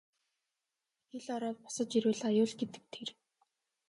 Хэл ороод босож ирвэл аюул гэдэг тэр.